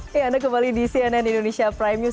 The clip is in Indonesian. oke anda kembali di cnn indonesia prime news